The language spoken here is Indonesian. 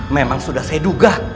memang sudah saya duga